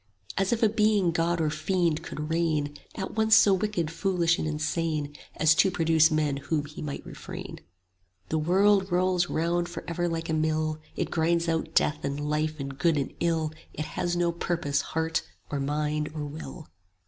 "As if a Being, God or Fiend, could reign, At once so wicked, foolish and insane, As to produce men when He might refrain! 35 "The world rolls round for ever like a mill; It grinds out death and life and good and ill; It has no purpose, heart or mind or will.